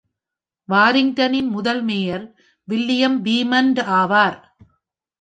வாரிங்டனின் முதல் mayor William Beamont ஆவார்.